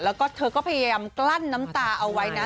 แล้วก็เธอก็พยายามกลั้นน้ำตาเอาไว้นะ